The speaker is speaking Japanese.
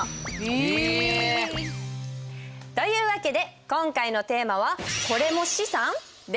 えっ！という訳で今回のテーマは「これも資産？」です。